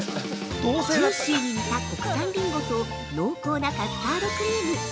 ◆ジューシーに煮た国産リンゴと濃厚なカスタードクリーム。